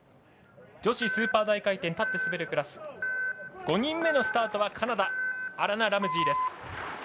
女子スーパー大回転立って滑るクラス５人目のスタートはカナダのアラナ・ラムジーです。